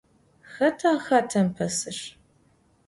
Xeta xatem pesır?